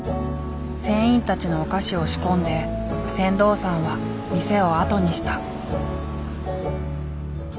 船員たちのお菓子を仕込んで船頭さんは店をあとにした。